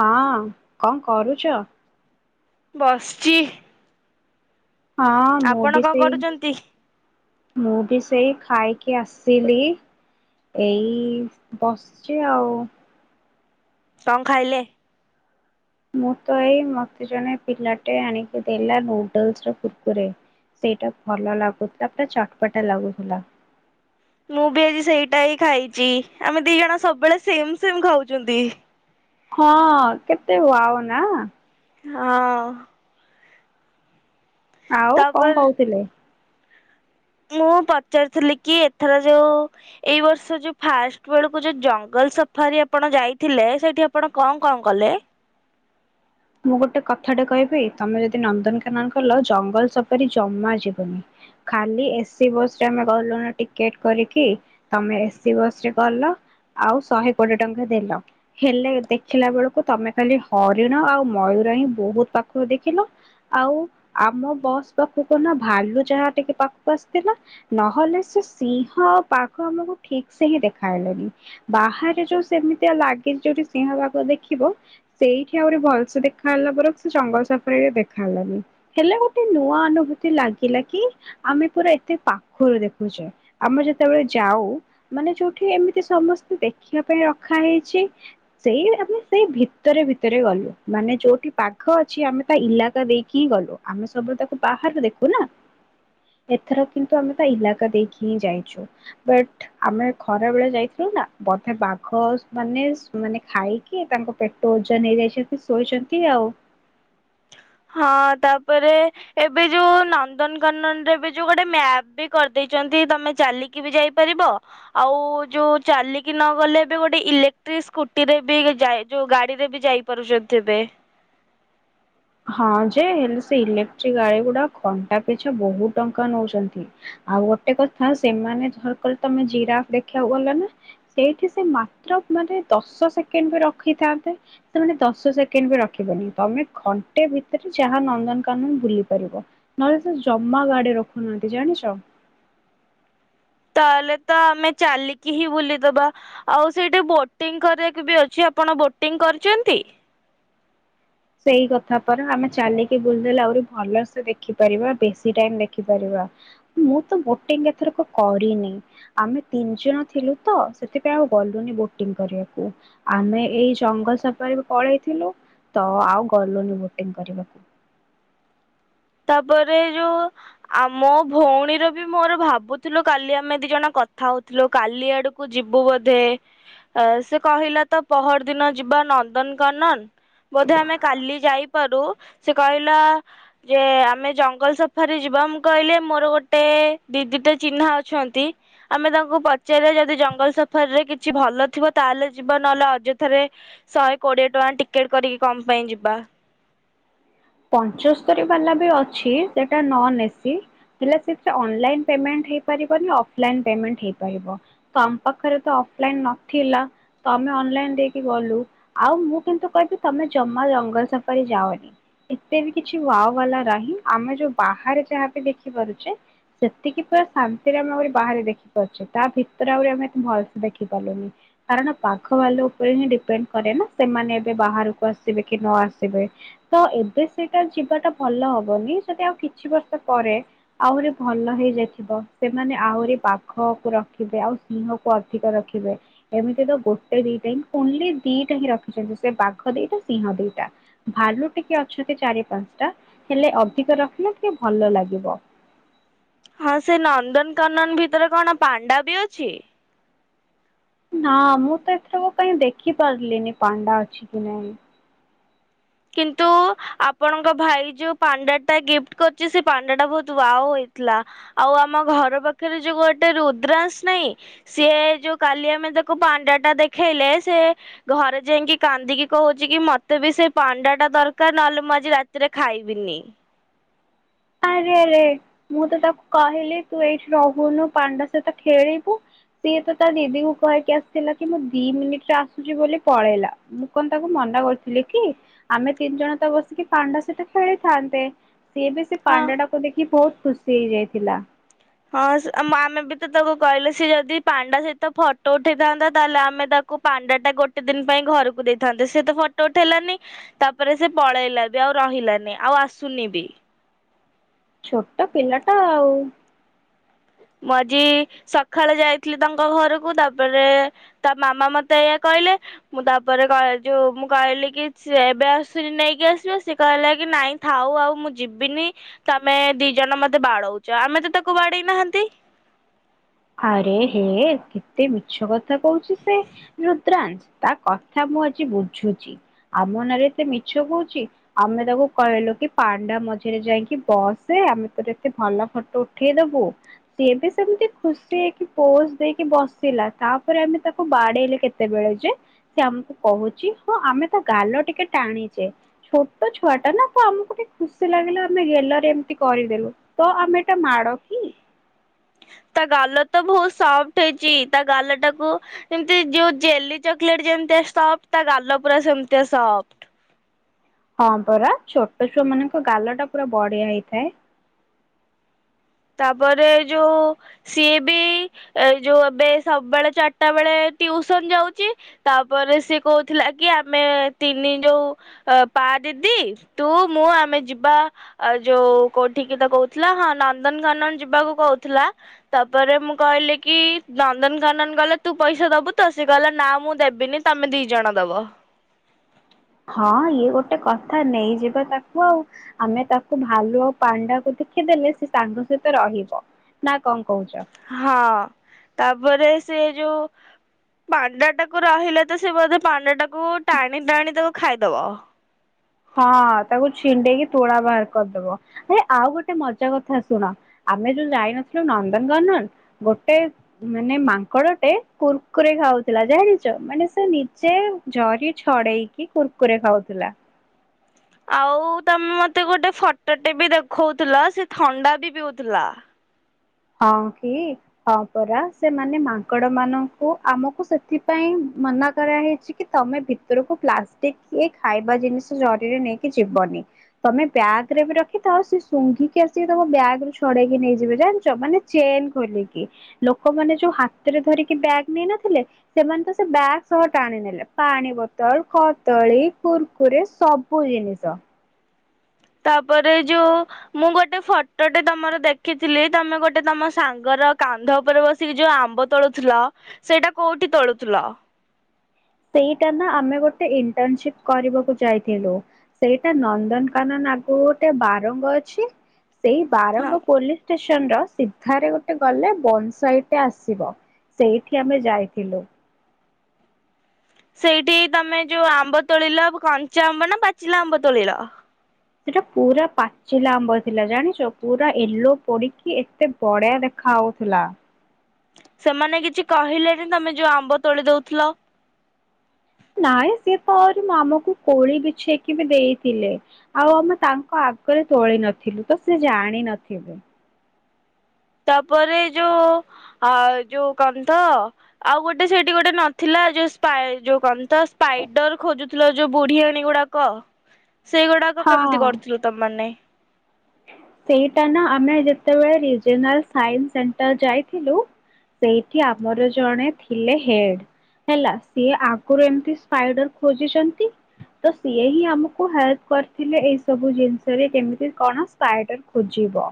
ହଁ କଣ କରୁଚ? ବସଚି। ହଁ ମୁଁ ବି ସେଇ କରୁଛନ୍ତି ମୁଁ ବି ସେଇ ଖାଇକି ଆସିଲି ଏଇ ବସଚି ଆଉ। କଣ ଖାଇଲେ? ମୁଁ ତ ଏଇ ମତେ ଜଣେ ପିଲାଟେ ଆଣିକି ଦେଲା ନୁଡଲସ ର କୁୁରକୁରେ ସେଇଟା ଭଲ ଲାଗୁଥିଲା ପୁରା ଚଟପଟା ଲାଗୁଥିଲା। ମୁଁ ବି ଆଜି ସେଇଟା ହିଁ ଖାଇଚି ଆମେ ଦି ଜଣ ସବୁବେଳେ ସେମ ସେମ ଖାଉଚନ୍ତି। ହଁ କେତେ ୱାଓ ନା। ହଁ। ଆଉ କଣ ତାପରେ କହୁଥିଲେ? ମୁଁ ପଚାରିଥିଲି କି ଏଥର ଯୋଉ ଏଇ ବର୍ଷ ଯୋଉ ଫାଷ୍ଟ ବେଳକୁ ଯୋଉ ଜଙ୍ଗଲ ସଫାରି ଆପଣ ଯାଇଥିଲେ ସେଇଠି ଆପଣ କଣ କଣ କଲେ? ମୁଁ ଗୋଟେ କଥାଟେ କହିବି ତମେ ଯଦି ନନ୍ଦନକାନନ ଗଲ ଜଙ୍ଗଲ ସପାରୀ ଜମା ଯିବୁନି ଖାଲି ଏସିି ବସ ରେ ଆମେ ଗଲୁ ଟିକେଟ କରିକି ତମେ ଏସି ବସ ରେ ଗଲ ଆଉ ଶହେ କୋଟି ଟଙ୍କା ଦେଲ ହେଲେ ଦେଖିଲା ବେଳକୁ ତମେ ଖାଲି ହରିଣ ଆଉ ମୟୁର ହିଁ ବହୁତ ପାଖ ଦେଖିଲ ଆଉ ଆମ ବସ୍ ପାଖକୁ ନା ଭାଲୁ ଯାହା ଟିକେ ପାଖକୁ ଆସିଥିଲା ନହେଲେ ସେ ସିଂହ ପାଖ ଆମକୁ ଠିକ ସେ ହିଁ ଦେଖାହଲେଣିି ବାହାରେ ଯୋଉ ସେମିତିଆ ଲାଗି ଯୋଉଠି ସିଂହ ପାଖ ଦେଖିବ ସେଇଠି ଆହୁରି ଭଲ ସେ ଦେଖା ହେଲା ପରେ ସେ ଜଙ୍ଗଲ ସଫରେ ବି ଦେଖା ହେଲାନି ହେଲେ ଗୋଟେ ନୂଆ ଅନୁଭୂତି ଲାଗିଲା କି ଆମେ ପୁରା ଏତେ ପାଖରୁ ଦେଖୁଛେ ଆମେ ଯେତେବେଳେ ଯାଉ ମାନେ ଯୋଉଠି ଏମିତି ସମସ୍ତେ ଦେଖିବା ପାଇଁ ରଖା ହେଇଛି ସେଇ ଆମେ ସେଇ ଭିତରେ ଭିତରେ ଗଲୁ। ମାନେ ଯୋଉଠି ବାଘ ଅଛି ଆମେ ତା ଇଲାକା ଦେଇକି ହିଁ ଗଲୁ ଆମେ ସବୁ ତାକୁ ବାହାରୁ ଦେଖୁ ନା ଏଥର କିନ୍ତୁ ଆମେ ତା ଇଲାକା ଦେଇକି ହିଁ ଯାଇଚୁ ବଟ ଆମେ ଖରା ବେଳେ ଯାଇଥିଲୁ ନା ବଧେ ବାଘ ମାନେ ମାନେ ଖାଇକି ତାଙ୍କ ପେଟ ଓଜନ ହେଇଯାଇଛି। ଶୋଇଚନ୍ତି ଆଉ ହଁ ତାପରେ ଏବେ ଯୋଉ ନନ୍ଦନକାନନରେ ଏବେ ଯୋଉ ଗୋଟେ ମ୍ୟାପ ବି କରିଦେଇଛନ୍ତି ତମେ ଚାଲିକି ବି ଯାଇପାରିବ ଆଉ ଯୋଉ ଚାଲିକି ନ ଗଲେ ଏବେ ଗୋଟେ ଇଲେକ୍ଟ୍ରିକ ସ୍କୁଟିରେ ବି ଯୋଉ ଗାଡିରେ ବି ଯାଇପାରୁଛନ୍ତି ଏବେ। ହଁ ଯେ ହେଲେ ସେ ଇଲେକ୍ଟ୍ରିକ ଗାଡି ଗୁଡା ଘଣ୍ଟା ପିଛା ବହୁତ ଟଙ୍କା ନଉଛନ୍ତି ଆଉ ଗୋଟେ କଥା ସେମାନେ ଧରିକି ତମେ ଜିରାଫ ଦେଖିବାକୁ ଗଲା ନା ସେଇଠି ସେ ମାତ୍ର ମାନେ ଦଶ ସେକେଣ୍ଡ ବି ରଖିଥାନ୍ତେ ସେମାନେ ଦଶ ସେକେଣ୍ଡ ବି ରଖିବେନି ତମେ ଘଂଟା ଘଣ୍ଟ ଭିତରେ ଯାହା ନନ୍ଦନକାନନ ବୁଲି ପାରିବ ନହେଲେ ସେ ଜମା ଗାଡି ରଖୁନାହାନ୍ତି ଜାଣିଚ। ତାହେଲେ ତ ଆମେ ଚାଲିକି ହିଁ ବୁଲିଦବା ଆଉ ସେଇଠି ବୋଟିଂ କରିଦେବେ ବି ଅଛି ଆପଣ ବୋଟିଂ କରିଚନ୍ତି। ସେଇ କଥା ପରା ଆମେ ଚାଲିକି ବୁଲିଦେଲେ ଆହୁରି ଭଲସେ ଦେଖିପାରିବା ବେଶୀ ଟାଇମ ଦେଖିପାରିବା ମୁଁ ତ ବୋଟିଂ ଏଥରକ କରିନି ଆମେ ତିନି ଜଣ ଥିଲୁ ତ ସେଥିପାଇଁ ଆଉ ଗଲୁନି ବୋଟିଂ କରିବାକୁ ଆମେ ଏଇ ଜଙ୍ଗଲ ସଫରେ ପଳେଇଥିଲୁ। ତ ଆଉ ଗଲୁନି ଭୋଟିଂ କରିବାକୁ। ତାପରେ ଯୋଉ ଆ ମୋ ଭଉଣୀର ବି ମୋର ଭାବୁଥିଲୁ କାଲି ଆମେ ଦି ଜଣ କଥା ହଉଥିଲୁ କାଲି ଆଡକୁ ଯିବୁ ବୋଧେ ସେ କହିଲା ତ ପହର ଦିନ ଯିବା ନନ୍ଦନକାନନ ବୋଧେ ଆମେ କାଲି ଯାଇ ପାରୁ ସେ କହିଲା। ଯେ ଆମେ ଜଙ୍ଗଲ ସଫରରେ ଯିବା ମୁଁ କହିଲେ ମୋର ଗୋଟେ ଦିଦିଟା ଚିହ୍ନା ଅଛନ୍ତି ଆମେ ତାଙ୍କୁ ପଚାରିଲ ଯଦି ଜଙ୍ଗଲ ସଫାରରେ କିଛି ଭଲ ଥିବ ତାହେଲେ ଯିବା ନହେଲେ ଅଯଥାରେ ଶହେ କୋଡିଏ ଟଙ୍କା ଟିକେଟ କରିକି କମ ପାଇଁ ଯିବା। ପଞ୍ଚସ୍ତରୀ ବାଲା ବି ଅଛି ସେଟା ନ ଏସି ହେଲେ ସେଥିରେ ଅନଲାଇନ୍ ପେମେଣ୍ଟ ହେଇ ପାରିବନି ଅଫଲାଇନ ପେମେଣ୍ଟ ହେଇ ପାରିବ ତ ଆମ ପାଖରେ ତ ଅଫଲାଇନ ନଥିଲା ତ ଆମେ ଅନଲାଇନ ଦେଇକି ଗଲୁ ଆଉ ମୁଁ କିନ୍ତୁ କହିବି ତମେ ଜମା ଜଙ୍ଗଲ ସଫର ରେ ଯାୟନି। ଏତେ ବି କିଛି ୱାଓ ବାଲା ନାହିଁ ଆମେ ଯୋଉ ବାହାରେ ଯାହାବି ଦେଖିପାରୁଛେ ସେତିକି ପୁରା ଶାନ୍ତିରେ ଆମେ ଆହୁ ବାହାରେ ଦେଖି ପାରୁଛେ ତା ଭିତରେ ଆହୁରି ଆମେ ଏତେ ଭଲସେ ଦେଖି ପାରୁଲୁନି କାରଣ ବାଘ ଭାଲୁ ଉପର ହିଁ ଡିପେଣ୍ଡ କରେ ନା ସେମାନେ ଏବେ ବାହାରକୁ ଆସିବେ କି ନ ଆସିବେ ତ ତ ସେଇଟା ଯିବାଟା ଭଲ ହବନି ଯଦି ଆଉ କିଛି ବର୍ଷ ପରେ ଆହୁରି ଭଲ ହେଇ ଯାଇଥିବ ସେମାନେ ଆହୁରି ବାଘ କୁ ରଖିବେ ଆଉ ସିଂହକୁ ଅଧିକ ରଖିବେ ଏମିତି ତ ଗୋଟେ ଦିଟା ହିଁ ଓନ୍ଲି ଦିଟା ହିଁ ରଖିଛନ୍ତି ସେ ବାଘ ଦିଟା ସିଂହ ଦିଟା ଭାଲୁ ଟିକେ ଛନ୍ତି ଚାରି ପାଞ୍ଚଟା ହେଲେ ଅଧିକ ରଖିଲେ ଟିକେ ଭଲ ଲାଗିବ। ହଁ ସେ ନନ୍ଦନକାନନ ଭିତରେ କଣ ପାଣ୍ଡା ବି ଅଛି? ନା ମୁଁ ତ ଏଥର କହିଁ ଦେଖି ପାରିଲିନି ପାଣ୍ଡା ଅଛି କି ନାଇଁ କିନ୍ତୁ ଆପଣଙ୍କ ଭାଇ ଯୋଉ ପାଣ୍ଡା ଟା ଗିଫ୍ଟ କରୁଛି ସେ ପାଣ୍ଡା ଟା ବହୁତ ୱାଓ ହୋଇଥିଲା ଆଉ ଆମ ଘର ପାଖରେ ଯୋଉ ଗୋଟେ ରୁଦ୍ରାସ ନାହିଁ ସିଏ ଯୋଉ କାଲି ଆମେ ତାକୁ ପାଣ୍ଡା ଟା ଦେଖେଇଲେ ସେ ଘରେ ଯାଇକି କାନ୍ଦିକି କହୁଛି କି ମତେ ବି ସେ ପାଣ୍ଡା ଟା ଦରକାର ନହେଲେ ମୁଁ ଆଜି ରାତିରେ ଖାଇବିନି ଆରେ ଆରେ ମୁଁ ତ ତାକୁ କହିଲି ତୁ ଏଇଠି ରହୁନୁ ପାଣ୍ଡା ସହିତ ଖେଳିବୁ ସିଏ ତ ତା ଦିଦି କୁ କହିକି ଆସିଥିଲା କି ମୁଁ ଦି ମିନିଟରେ ଆସୁଛି ବୋଲି ପଳେଇଲା ମୁଁ କଣ ତାକୁ ମନା କରିଥିଲି କି ଆମେ ତିନି ଜଣ ତ ବସିକି ପାଣ୍ଡା ସହିତ ଖେଳିଥାନ୍ତେ ସିଏ ବି ହଁ। ପାଣ୍ଡଡାକୁ ଦେଖି ବହୁତ ଖୁସି ହେଇଯାଇଥିଲା ହଁ ଆମେ ବି ତ ତାକୁ କହିଲେ ସେ ଯଦି ପାଣ୍ଡା ସହିତ ଫଟୋ ଉଠେଇଥାନ୍ତା ତାହେଲେ ଆମେ ତାକୁ ପାଣ୍ଡା ଟା ଗୋଟେ ଦିନ ପାଇଁ ଘରକୁ ଦେଇଥାନ୍ତେ ସ ତ ଫଟୋ ଉଠେଇଲାନି ତାପରେ ସେ ପଳେଇଲା ବି ଆଉ ରହିଲାନି ଆଉ ଆସୁନି ବି। ଛୋଟ ପିଲା ଟା ଆଉ ମୁଁ ଆଜି ସକାଳେ ଯାଇଥିଲି ତାଙ୍କ ଘରକୁ ତାପରେ ତା ମାମା ମତେ ଏଇଆ କହିଲେ ମୁଁ ତାପରେ ଯଉ ମୁଁ କହିଲି କି ସେ ଏବେ ଆସୁନି ନେଇକି ଆସିବ ସେ କହିଲା କି ନାଇଁ ଥାଉ ଆଉ ମୁଁ ଯିବିନି ତମେ ଦି ଜଣ ମତେ ବାଡଉଛ ଆମେ ତ ତାକୁ ବାଡେଇ ନାହାନ୍ତି। ଆରେ ହେ କେତେ ମିଛ କଥା କହୁଛି ସେ ରୁଦ୍ରାନସ ତା କଥା ମୁଁ ଆଜି ବୁଝୁଛି ଆମ ନାଁରେ ଏତେ ମିଛ କହୁଛି ଆମେ ତାକୁ କହିଲୁ କି ପାଣ୍ଡା ମଝିରେ ଯାଇକି ବସେ ଆମେ ତୋର ଏତେ ଭଲ ଫଟୋ ଉଠେଇଦବୁ ସିଏ ବି ସେମତି ଖୁସି ହେଇକି ପୋଜ ଦେଇକି ବସିଲା ତାପରେ ଆମେ ତାକୁ ବାଡେଇଲେ କେତେବେଳେ ଯେ ସେ ଆମକୁ କହୁଛି ହଁ ଆମେ ତା ଗାଲ ଟିକେ ଟାଣିଛେ ଛୋଟ ଛୁଆ ଟା ନା ତ ଆମକୁ ଟିକେ ଖୁସି ଲାଗିଲା ଆମେ ଗେଲରେ ଏମିତି କରିଦେଲୁ ତ ଆମେ ଏଟା ମାଡ଼ କି ତା ଗାଲ ତ ବହୁତ ସଫ୍ଟ ହେଇଛି ତା ଗାଲ ଟାକୁ ଯେମତି ଯୋଉ ଜେଲି ଚକୋଲେଟ ଯେମତି ସଫ୍ଟ୍ ତା ଗାଲ ପୁର ସେମିତି ସଫ୍ଟ। ହଁ ପରା ଛୋଟ ଛୁଆ ମାନଙ୍କ ଗାଲ ଟା ପୁରା ବଢିଆ ହେଇଥାଏ। ତାପରେ ଯୋଉ ସିଏ ବି ଏ ଯୋଉ ଏବେ ସବୁବେଳେ ଚାରିଟା ବେଳେ ଟିଉସନ ଯାଉଛି ତାପରେ ସିଏ କହୁଥିଲା କି ଆମେ ତିନି ଯୋଉ ପା ଦିଦି ତୁ ମୁଁ ଆମେ ଯିବା ଯୋଉ କୋଉଠିକ କିି ତ କହୁଥିଲା ହଁ ନନ୍ଦନକାନନ ଯିବାକୁ କହୁଥିଲା ତାପରେ ମୁଁ କହିଲି କି ନନ୍ଦନକାନନ ଗଲେ ତୁ ପଇସା ଦବୁ ତ ସେ କହିଲା ନା ମୁଁ ଦେବିନି ତମେ ଦି ଜଣ ଦବ। ହଁ ଇଏ ଗୋଟେ କଥା ନେଇଯିବା ତାକୁ ଆଉ ଆମେ ତାକୁ ଭାଲୁ ଆଉ ପାଣ୍ଡାକୁ ଦେଖିଦେଲେ ସେ ସାଙ୍ଗ ସହିତ ରହିବ ନା କଣ କହୁଛ? ହଁ। ତାପରେ ସେ ଯୋଉ ପାଣ୍ଡା ଟାକୁ ରହିଲେ ତ ସେ ବୋଧେ ପାଣ୍ଡା ଟାକୁ ଟାଣି ଟାଣି ତାକୁ ଖାଇଦବ। ହଁ ତାକୁ ଛିଣ୍ଡେଇକି ତୁଳା ବାହାର କରିଦବ ଏ ଆଉ ଗୋଟେ ମଜା କଥା ଶୁଣ ଆମେ ଯୋଉ ଯାଇନଥିଲୁ ନନ୍ଦନକାନନ ଗୋଟେ ମାନେ ମାଙ୍କଡଟେ କୁର୍କୁରେ ଖାଉଥିଲା ଜାଣିଛ ମାନେ ସେ ନିଜେ ଜରି ଛଡେଇକି କୁର୍କୁରେ ଖାଉଥିଲା। ଆଉ ତମେ ମତେ ଗୋଟେ ଫଟୋଟେ ବି ଦେଖଉଥିଲ ସେ ଥଣ୍ଡା ବି ପିଉଥିଲା ହଁ କି ହଁ ପରା ସେମାନେ ମାଙ୍କଡ ମାନଙ୍କୁ ଆମକୁ ସେଥିପାଇଁ ମନା କରାହେଇଛି କି ତମେ ଭିତରକୁ ପ୍ଲାଷ୍ଟିକ ରେ ଖାଇବା ଜିନିଷ ଜରିରେ ନେଇକି ଯିବନି ତମେ ବ୍ୟାଗରେ ବି ରଖିଥାଅ ସେ ଶୁଙ୍ଘିକି ଆସିକି ତମ ବ୍ୟାଗ ରୁ ଛଡେଇକି ନେଇଯିବେ ଜାଣିଚ ମାନେ ଚେନ ଖୋଲିକି ଲୋକମାନେ ଯୋଉ ହାତରେ ଧରିକି ବ୍ୟାଗ୍ ନେଇନଥିଲେ ସେମାନେ ତ ସେ ବ୍ୟାଗ ସହ ଟାଣିନେଲେ ପାଣି ବୋତଲ କଦଳୀ କୁୁରକୁରେ ସବୁ ଜିନିଷ ତାପରେ ଯୋଉ ମୁଁ ଗୋଟେ ଫଟୋଟେ ତମର ଦେଖିଥିଲି ତମେ ଗୋଟେ ତମ ସାଙ୍ଗର କାନ୍ଧ ଉପରେ ବସିକି ଯୋଉ ଆମ୍ବ ତୋଳୁଥିଲ ସେଇଟା କୋଉଠି ତୋଳୁଥିଲ? ସେଇଟା ନା ଆମେ ଗୋଟେ ଇଣ୍ଟରନସିପ କରିବାକୁ ଯାଇଥିଲୁ ସେଇଟା ନନ୍ଦନକାନନ ଆଗକୁ ଗୋଟେ ବାରଙ୍ଗ ଅଛି। ସେଇ ହଁ ବାରଙ୍ଗ ପୋଲିସ ଷ୍ଟେ ସିଧାରେ ଗୋଟେ ଗଲେ ବନ ସାଇଟ୍ ରେ ଆସିବ ସେଇଠି ଆମେ ଯାଇଥିଲୁ। ସେଇଠି ତମେ ଯୋଉ ଆମ୍ବ ତୋଳିଲ କଞ୍ଚା ଆମ୍ବ ନା ପାଚିଲା ଆମ୍ବ ତୋଳିଲ। ସେଟା ପୁରା ପାଚିଲା ଆମ୍ବ ଥିଲା ଜାଣିଛ ପୁରା ୟେଲୋ ପଡିକି ଏତେ ବଢିଆ ଦେଖା ହଉଥିଲା। ସେମାନେ କିଛି କହିଲେନି ତମେ ଯୋଉ ଆମ୍ବ ତୋଳି ଦଉଥିଲ। ନାଇଁ ସେ ତ ଆହୁରି ମୁଁ ଆମକୁ କୋଳି ବିଛେଇକି ବି ଦେଇଥିଲେ ଆଉ ଆମେ ତାଙ୍କ ଆଗରେ ତୋଳି ନଥିଲୁ ତ ସେ ଜାଣ ନଥିବେ। ତାପରେ ଯୋଉ ଯୋଉ କହନ୍ତ ଆଉ ଗୋଟେ ସେଠି ଗୋଟେ ନଥିଲା ଯୋଉ ଯୋଉ କହ ତ ସ୍ପାଇଡର ଖୋଜୁଥିଲ ଯୋଉ ବୁଢୀ ଆଣୀ ଗୁଡାକ ସେଇଗୁଡାକ ହଁ। କେମିତି କରୁଥିଲୁ ତମମାନେ ସେଇଟା ନା ଆମେ ଯେତେବେଳେ ରିଜନାଲ ସାଇସ ସେଣ୍ଟର ଯାଇଥିଲୁ ସେଇଠି ଆମର ଜଣେ ଥିଲେ ହେଡ ହେଲା ସିଏ ଆଗରୁ ଏମତି ସ୍ପାଇଡର ଖୋଜିଛନ୍ତି ତ ସିଏ ହିଁ ଆମକୁ ହେଲ୍ପ କରିଥିଲେ ଏଇ ସବୁ ଜିନିଷରେ କେମତି କଣ? ସ୍ପାଇଡର ଖୋଜିବ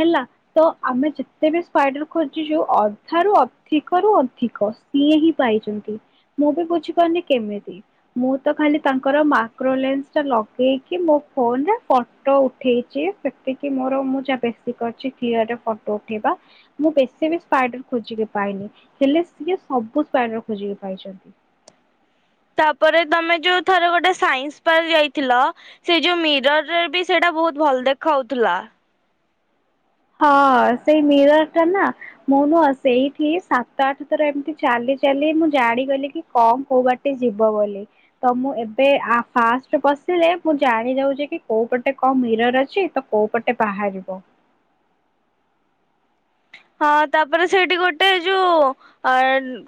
ହେଲା ତ ଆମେ ଯେତେ ବି ସ୍ପାଇଡର ଖୋଜିଛୁ ଅଧାରୁ ଅଧିକରୁୁ ଅଧିକ ସିଏ ହିଁ ପାଇଛନ୍ତି ମୁଁ ବି ବୁଝିପାରୁନି କେମିତି ମୁଁ ତ ଖାଲି ତାଙ୍କର ମାଇକ୍ରୋଲେନ୍ସ ଟା ଲଗେଇକି ମୋ ଫୋନ ରେ ଫଟୋ ଉଠେଇଛି। ସେତିକି ମୋର ମୁଁ ଯାହା ବେଶୀ କରିଛିି ଫିଅରରେ ଫଟୋ ଉଠେଇବା ମୁଁ ବେଶୀ ବି ସ୍ପାଇଡର ଖୋଜିକି ପାଇନି ହେଲେ ସିଏ ସବୁ ସ୍ପାଇଡର ଖୋଜିକି ପାଇଛନ୍ତି। ତାପରେ ତମେ ଯୋଉ ଥରେ ଗୋଟେ ସାଇନ୍ସ ପାର୍କ ଯାଇଥିଲ ସେ ଯୋଉ ମିରରରେ ବି ସେଇଟା ବହୁତ ଭଲ ଦେଖାହଉଥିଲା। ହଁ ସେଇ ମିରର ଟା ନା ମୁଁ ନୁହ ସେଇଠି ସାତ ଆଠ ଥର ଏମିତି ଚାଲି ଚାଲି ମୁଁ ଜାଣିଗଲି କି କଣ କୋଉ ବାଟ ଯିବ ବୋଲି ତ ମୁଁ ଏବେ ଫାଷ୍ଟ ବସିଲେ ମୁଁ ଜାଣି ଯାଉଛି କି କୋଉ ପଟେ କଣ ମିରର ଅଛି ତ କୋଉ ପଟେ ବାହାରିବ। ହଁ ତାପରେ ସେଇଠି ଗୋଟେ ଯୋଉ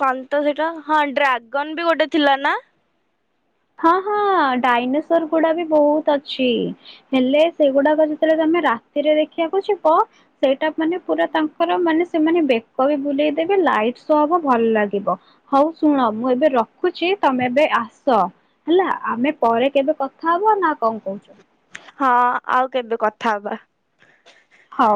କଣ ଟ ସେଟା ହଁ ଡ୍ରାଗନ ବି ଗୋଟେ ଥିଲା ନା ହଁ ହଁ ଡାଇନୋସର ଗୁଡା ବି ବହୁତ ଅଛି ହେଲେ ସେଗୁଡାକ ଯେତେବେଳେ ତମେ ରାତିରେ ଦେଖିବାକୁ ଯିବ ସେଇଟା ମାନେ ପୁରା ତାଙ୍କର ମାନେ ସେମାନେ ବେକ ବି ବୁଲେଇ ଦେବେ ଲାଇଟ ଶୋ ହବ ଭଲ ଲାଗିବ ହଉ ଶୁଣ ମୁଁ ଏବେ ରଖୁଛି ତମେ ଏବେ ଆସ ହେଲା ଆମେ ପରେ କେବେ କଥା ହବ ନା କଣ କହୁଛ? ହଁ ଆଉ କେବେ କଥା ହବା। ହଉ।